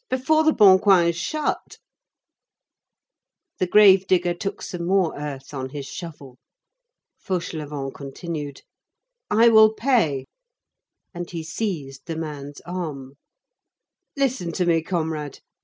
Before the Bon Coing is shut!" The grave digger took some more earth on his shovel. Fauchelevent continued. "I will pay." And he seized the man's arm. "Listen to me, comrade.